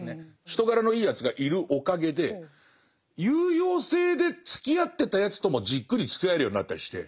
人柄のいいやつがいるおかげで有用性でつきあってたやつともじっくりつきあえるようになったりして。